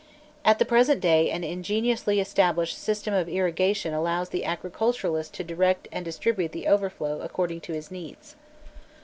At the present day an ingeniously established system of irrigation allows the agriculturist to direct and distribute the overflow according to his needs.